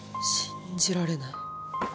信じられない。